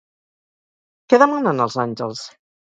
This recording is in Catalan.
Què demanen als àngels?